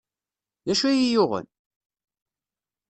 D acu ay iyi-yuɣen?